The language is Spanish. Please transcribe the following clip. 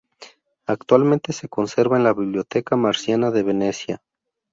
Actualmente se conserva en la Biblioteca Marciana de Venecia.